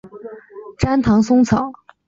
粘唐松草为毛茛科唐松草属下的一个种。